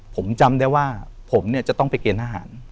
ผมจำได้ว่าผมเนี่ยจะต้องไปเกณฑหาร